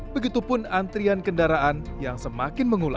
begitu pun antrian kendaraan yang semakin berjalan